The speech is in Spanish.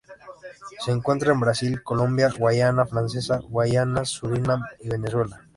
Se encuentra en Brasil, Colombia, Guayana francesa, Guyana, Surinam y Venezuela.